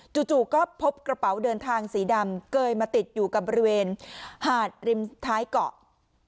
จู่ก็พบกระเป๋าเดินทางสีดำเกยมาติดอยู่กับบริเวณหาดริมท้ายเกาะ